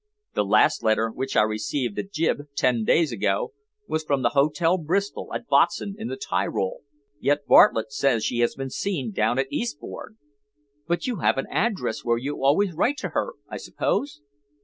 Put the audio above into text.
"The last letter, which I received at Gib. ten days ago, was from the Hotel Bristol, at Botzen, in the Tyrol, yet Bartlett says she has been seen down at Eastbourne." "But you have an address where you always write to her, I suppose?"